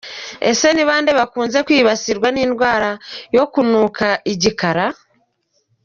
Ese ni bande bakunze kwibasirwa n’indwara yo kunuka igikara?.